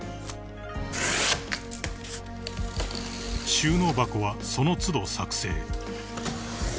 ［収納箱はその都度作製］